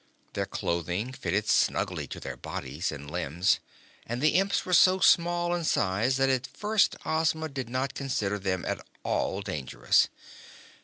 Their clothing fitted snugly to their bodies and limbs and the Imps were so small in size that at first Ozma did not consider them at all dangerous.